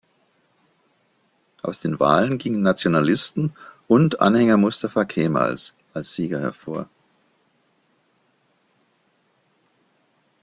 Aus den Wahlen gingen Nationalisten und Anhänger Mustafa Kemals als Sieger hervor.